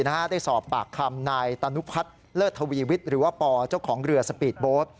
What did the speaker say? ได้สอบปากคำนายตานุพัฒน์เลิศทวีวิทย์หรือว่าปอเจ้าของเรือสปีดโบสต์